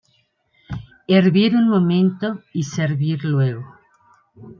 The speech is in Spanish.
Hervir un momento y servir luego.